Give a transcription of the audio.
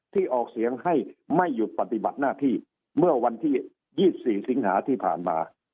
ออกเสียงให้ไม่หยุดปฏิบัติหน้าที่เมื่อวันที่๒๔สิงหาที่ผ่านมา